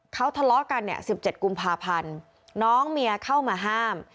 เขาทะเลาะกันเนี่ย๑๗กุมภาพันธ์น้องเมียเข้ามาห้าม